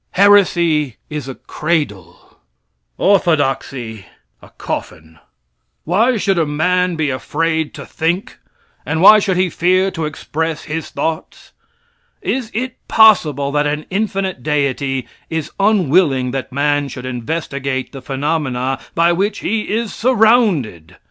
Heresy is a cradle; orthodoxy a coffin. Why should a man be afraid to think, and why should he fear to express his thoughts? Is it possible that an infinite Deity is unwilling that man should investigate the phenomena by which he is surrounded?